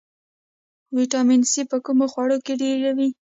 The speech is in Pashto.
ویټامین سي په کومو خوړو کې ډیر وي